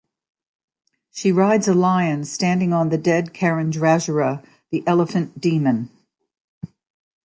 She rides a lion standing on the dead Karindrasura, the Elephant Demon.